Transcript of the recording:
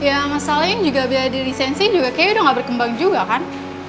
ya masalahnya juga bela diri sensei kayaknya udah gak berkembang juga kan